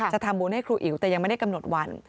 จะทำบุญให้ครูอิ๋วแต่ยังไม่ได้กำหนดวัน